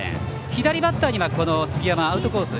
左バッターには杉山アウトコース